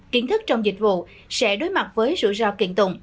kiến thức trong dịch vụ sẽ đối mặt với rủi ro kiện tụng